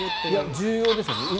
重要ですよね。